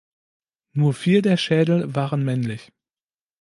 Nur vier der Schädel waren männlich.